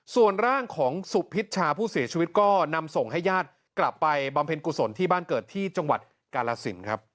ส่วนร่างของสุพิชชาผู้เสียชีวิตก็นำส่งให้ญาติกลับไปบำเพ็ญกุศลที่บ้านเกิดที่จังหวัดกาลสินครับ